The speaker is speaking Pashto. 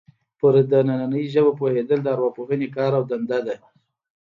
پر دنننۍ ژبې پوهېدل د ارواپوهنې کار او دنده ده